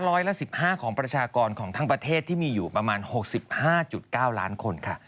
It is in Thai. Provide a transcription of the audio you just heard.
ร้อยละ๑๕ของประชากรของทั้งประเทศที่มีอยู่ประมาณ๖๕๙ล้านคนค่ะ